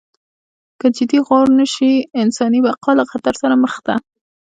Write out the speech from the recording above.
که جدي غور ونشي انساني بقا له خطر سره مخ ده.